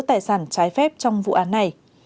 tài sản trái phép trong vụ án này